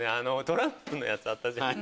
トランプのやつあったじゃん。